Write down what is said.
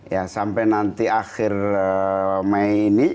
ya sampai nanti akhir mei ini